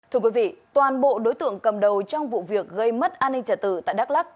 thưa quý vị toàn bộ đối tượng cầm đầu trong vụ việc gây mất an ninh trả tự tại đắk lắc